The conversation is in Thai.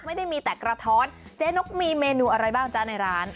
ไม่ได้มีแต่กระท้อนเจ๊นกมีเมนูอะไรบ้างจ๊ะในร้าน